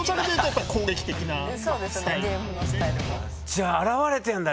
じゃあ表れてんだ